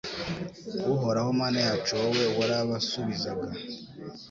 Uhoraho Mana yacu wowe warabasubizaga